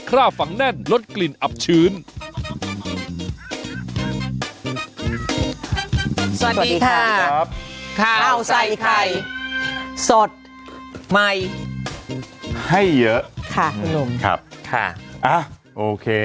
ข่าวใส่ไข่สดใหม่ให้เยอะค่ะครับค่ะอะโอเค